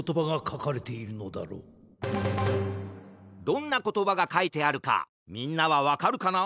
どんなコトバがかいてあるかみんなはわかるかな？